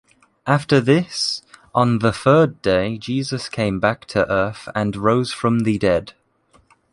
After this, on the third day Jesus came back to Earth and rose from the dead.